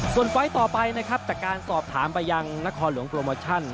ส่วนไฟล์ต่อไปนะครับจากการสอบถามไปยังนครหลวงโปรโมชั่น